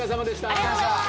ありがとうございます。